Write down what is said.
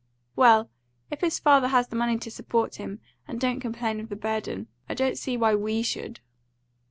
"Well, if his father has the money to support him, and don't complain of the burden, I don't see why WE should."